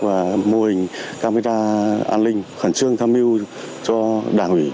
và mô hình camera an ninh khẩn trương tham mưu cho đảng ủy